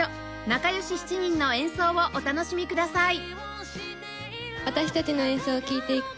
仲良し７人の演奏をお楽しみください